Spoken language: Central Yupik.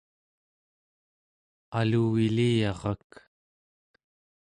aluviliyarak